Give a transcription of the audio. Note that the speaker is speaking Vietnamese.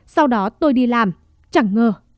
sau đó tôi đi làm chẳng ngờ